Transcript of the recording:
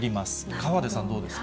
河出さん、どうですか。